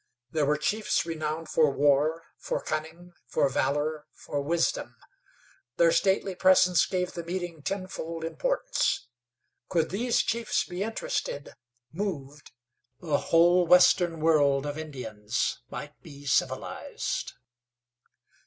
There were chiefs renowned for war, for cunning, for valor, for wisdom. Their stately presence gave the meeting tenfold importance. Could these chiefs be interested, moved, the whole western world of Indians might be civilized.